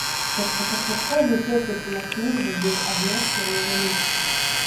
Першапачатковы попыт на кнігу быў адносна невялікі.